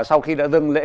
sau khi đã dân lễ